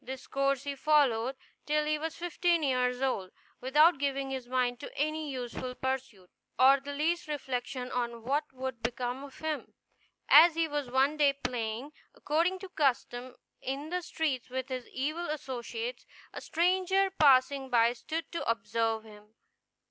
This course he followed till he was fifteen years old, without giving his mind to any useful pursuit, or the least reflection on what would become of him. As he was one day playing, according to custom, in the street with his evil associates, a stranger passing by stood to observe him.